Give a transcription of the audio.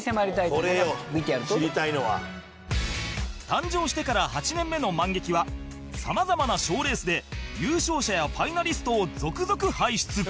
誕生してから８年目のマンゲキはさまざまな賞レースで優勝者やファイナリストを続々輩出